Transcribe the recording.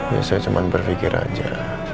ya saya cuman berfikir aja